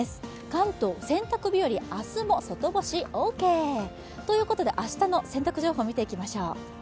関東、お洗濯日和、明日も外干しオーケー。ということで明日の洗濯情報を見ていきましょう。